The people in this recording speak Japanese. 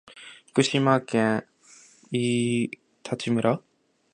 福島県飯舘村